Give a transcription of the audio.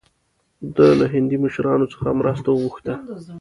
ده له هندي مشرانو څخه مرسته وغوښته.